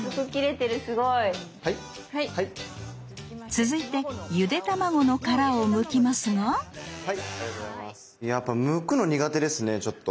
続いてゆで卵の殻をむきますがやっぱむくの苦手ですねちょっと。